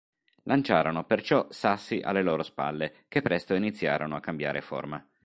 Lanciarono perciò sassi alle loro spalle, che presto iniziarono a cambiare forma.